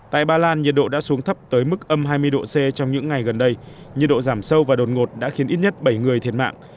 tại ba lan nhiệt độ đã xuống thấp tới mức âm hai mươi độ c trong những ngày gần đây nhiệt độ giảm sâu và đột ngột đã khiến ít nhất bảy người thiệt mạng